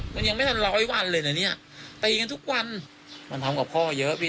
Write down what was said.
มันยังไม่ทันร้อยวันเลยนะเนี่ยตีกันทุกวันมันทำกับพ่อเยอะพี่